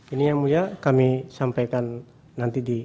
ini yang mulia kami sampaikan nanti di